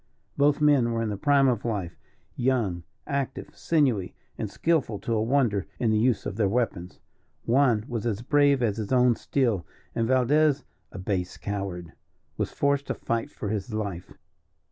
Both men were in the prime of life, young, active, sinewy, and skilful to a wonder in the use of their weapons. Juan was as brave as his own steel, and Valdez, a base coward, was forced to fight for his life.